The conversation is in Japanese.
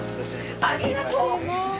ありがとう！